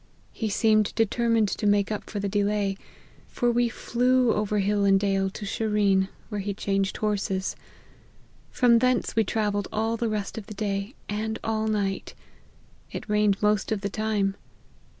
He seemed determined to make up for the delay, for we flew over hill and dale to Sherean, where he changed horses. From thence we travelled all the rest of the day and all night ; it rained most of the time.